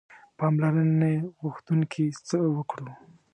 پاملرنې غوښتونکي څه وکړو.